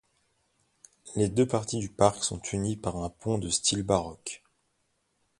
Les deux parties du parc sont unies par un pont de style baroque.